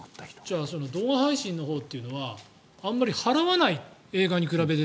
じゃあ動画配信のほうはあまり払わない、映画に比べて。